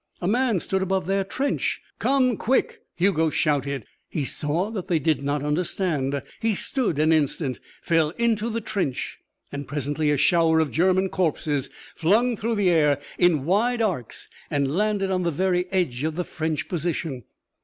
A man stood above their trench. "Come, quick!" Hugo shouted. He saw that they did not understand. He stood an instant, fell into the trench; and presently a shower of German corpses flung through the air in wide arcs and landed on the very edge of the French position.